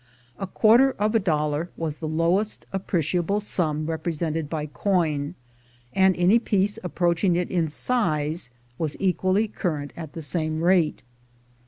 A quarter of a dollar was the lowest appreciable sum represented by coin, and any piece approaching it in size was equally current at the same rate.